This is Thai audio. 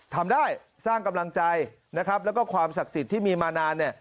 ทำได้สร้างกำลังใจนะครับแล้วก็ความศักดิ์สิทธิ์ที่มีมานานเนี่ย